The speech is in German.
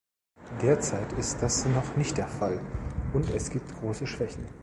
Derzeit ist das noch nicht der Fall, und es gibt große Schwächen.